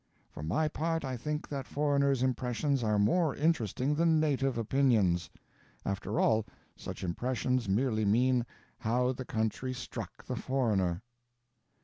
For my part, I think that foreigners' impressions are more interesting than native opinions. After all, such impressions merely mean 'how the country struck the foreigner.'"